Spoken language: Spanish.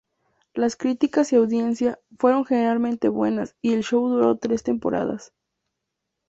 Las críticas y audiencia fueron generalmente buenas y el show duró tres temporadas.